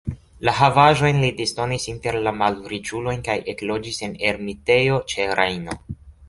La havaĵojn li disdonis inter la malriĉulojn kaj ekloĝis en ermitejo ĉe Rejno.